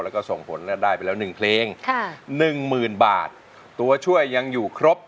แล้วก็ส่งผลได้ไปแล้วหนึ่งเพลงค่ะหนึ่งหมื่นบาทตัวช่วยยังอยู่ครบ